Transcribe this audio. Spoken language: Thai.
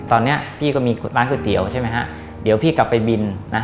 ตอนนี้พี่ก็มีร้านก๋วยเตี๋ยวใช่ไหมฮะเดี๋ยวพี่กลับไปบินนะ